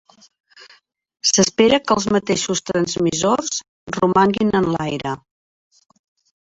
S'espera que els mateixos transmissors romanguin en l'aire.